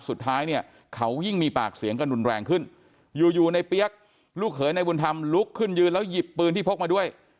สุดท้ายเนี่ยเขายิ่งมีปากเสียงกันรุนแรงขึ้นอยู่อยู่ในเปี๊ยกลูกเขยในบุญธรรมลุกขึ้นยืนแล้วหยิบปืนที่พกมาด้วย